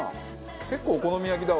結構お好み焼きだわ。